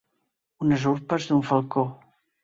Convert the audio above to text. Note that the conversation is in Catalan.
Unes urpes d'un falcó.